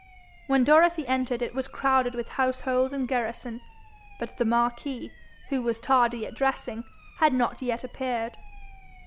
When Dorothy entered, it was crowded with household and garrison, but the marquis, who was tardy at dressing, had not yet appeared.